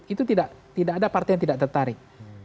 itu tidak ada partai yang tidak tertarik